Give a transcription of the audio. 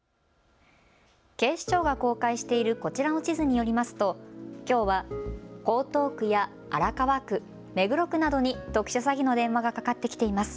警視庁が公開しているこちらの地図によりますときょうは江東区や荒川区、目黒区などに特殊詐欺の電話がかかってきています。